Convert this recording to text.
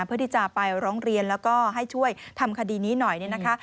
เพื่อที่จะไปร้องเรียนแล้วก็ให้ช่วยทำคดีนี้หน่อยเนี่ยนะคะ